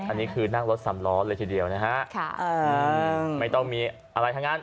อันนี้คือนั่งรถสำล้อเลยทีเดียวนะฮะไม่ต้องมีอะไรทั้งนั้น